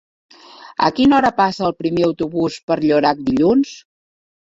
A quina hora passa el primer autobús per Llorac dilluns?